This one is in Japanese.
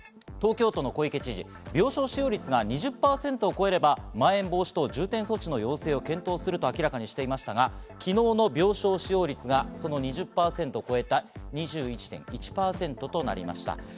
東京都の小池知事、病床使用率が２０％を超えれば、まん延防止等重点措置の要請を検討すると明らかにしていましたが、昨日の病床使用率が２０％を超えた２１．１％となりました。